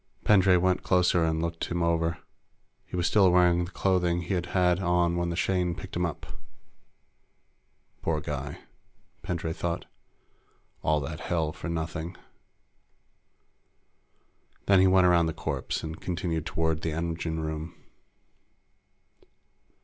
Pendray went closer and looked him over. He was still wearing the clothing he'd had on when the Shane picked him up. Poor guy, Pendray thought. All that hell for nothing. Then he went around the corpse and continued toward the engine room.